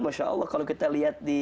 masya allah kalau kita lihat di